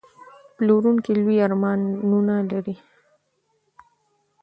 پلورونکی لوی ارمانونه لري.